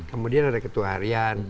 kemudian ada ketua harian